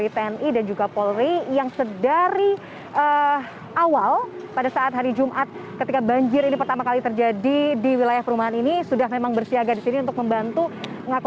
pondok gede permai jatiasi pada minggu pagi